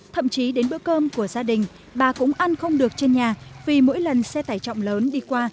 thậm chí đến bữa cơm của gia đình bà cũng ăn không được trên nhà vì mỗi lần xe tải trọng lớn đi qua